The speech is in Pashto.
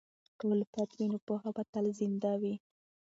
که الفت وي، نو پوهه به تل زنده وي.